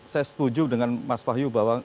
saya setuju dengan mas wahyu bahwa